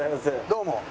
どうも。